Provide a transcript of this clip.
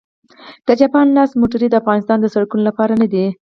د جاپان لاس موټرې د افغانستان د سړکونو لپاره نه دي